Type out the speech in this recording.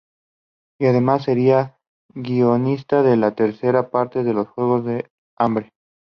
Y además será guionista de la tercera parte de Los Juegos del Hambre